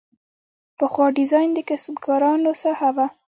پخوا ډیزاین د کسبکارانو ساحه وه.